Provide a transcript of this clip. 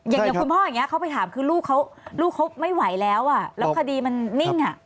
อย่างคุณพ่ออย่างนี้เขาไปถามคือลูกเขาไม่ไหวแล้วอ่ะแล้วคดีมันนิ่ง